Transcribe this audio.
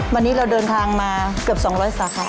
วันนี้เราเดินทางมาเกือบ๒๐๐สาขา